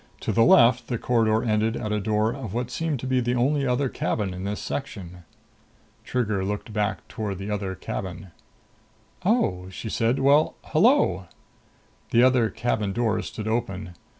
To the left the corridor ended at the door of what seemed to be the only other cabin in this section. Trigger looked back toward the other cabin. "Oh," she said. "Well ... hello." The other cabin door stood open.